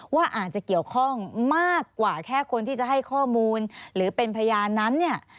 ว่าอาจจะเกี่ยวข้องมากกว่าแค่คนที่จะให้ข้อมูลหรือเป็นพยานนั้นเนี่ย